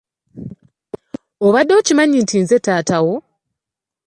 Obadde okimanyi nti nze taata wo?